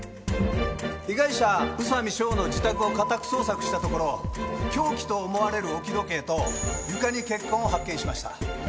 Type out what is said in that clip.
被害者宇佐美翔の自宅を家宅捜索したところ凶器と思われる置き時計と床に血痕を発見しました。